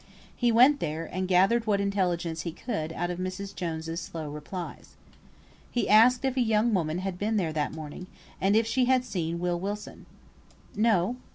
He went there, and gathered what intelligence he could out of Mrs. Jones's slow replies. He asked if a young woman had been there that morning, and if she had seen Will Wilson. "No!"